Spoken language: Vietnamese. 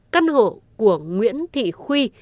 căn hộ của nguyễn thị khuy